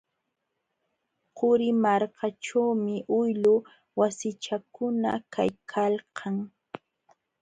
Qurimarkaćhuumi uylu wasichakuna kaykalkan.